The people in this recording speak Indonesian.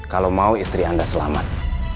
kalau mau istri anda selamat